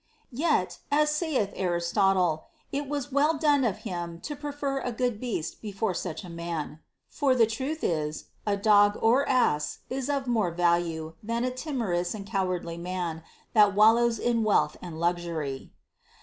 * Yet, as saith Aristotle, it was well done of him to prefer a good beast before such a man. For, the truth is, a dog or ass is of more value than a timorous and cowardly man that wallows in wealth and luxury.